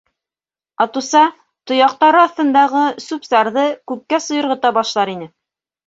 Атуса, тояҡтары аҫтындағы сүп-сарҙы күккә сойорғота башлар ине.